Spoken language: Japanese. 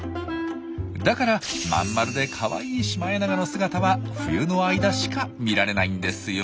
だからまん丸でかわいいシマエナガの姿は冬の間しか見られないんですよ。